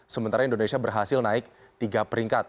sementara indonesia berhasil naik tiga peringkat